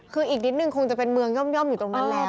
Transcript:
คืออีกนิดนึงคงจะเป็นเมืองย่อมอยู่ตรงนั้นแล้ว